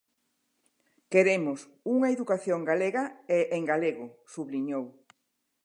"Queremos unha educación galega e en galego", subliñou.